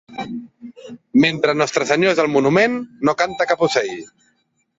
Mentre Nostre Senyor és al monument, no canta cap ocell.